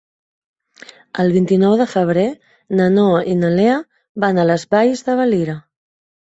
El vint-i-nou de febrer na Noa i na Lea van a les Valls de Valira.